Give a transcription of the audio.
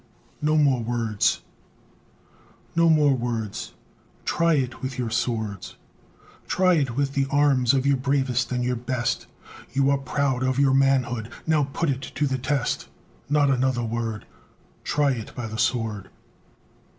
NO MORE WORDS No more words; Try it with your swords! Try it with the arms of your bravest and your best! You are proud of your manhood, now put it to the test; Not another word; Try it by the sword!